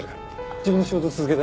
自分の仕事続けて。